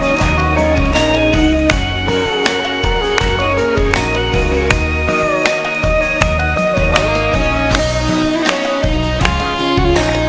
เป็นทีที่คุ้นชิน